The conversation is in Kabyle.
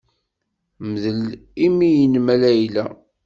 Mdel imi-nnem a Layla.